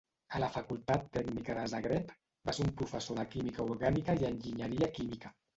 A la Facultat Tècnica de Zagreb, va ser professor de química orgànica i enginyeria química.